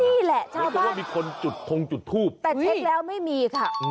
นี่แหละชาวบ้านแต่เช็คแล้วไม่มีค่ะ